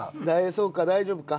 そうか大丈夫か？